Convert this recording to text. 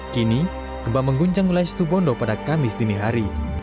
kini gemba mengguncang mulai setubondo pada kamis dini hari